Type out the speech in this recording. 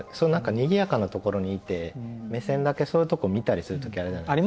にぎやかなところにいて目線だけそういうとこ見たりする時あるじゃないですか。